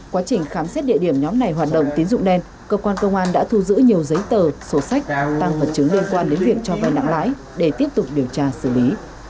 quá trình khám xét địa điểm nhóm này hoạt động tín dụng đen cơ quan công an đã thu giữ nhiều giấy tờ sổ sách tăng vật chứng liên quan đến việc cho vai nặng lãi để tiếp tục điều tra xử lý